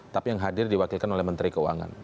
tapi yang hadir diwakilkan oleh menteri keuangan